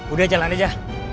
udah jalan aja